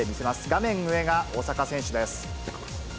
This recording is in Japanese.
画面上が大坂選手です。